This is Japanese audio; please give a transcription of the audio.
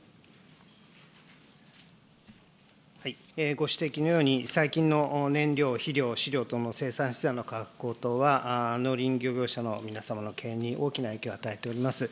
ご指摘のように、最近の燃料、肥料、飼料等の生産資材の価格高騰は、農林漁業者の皆様の経営に大きな影響を与えております。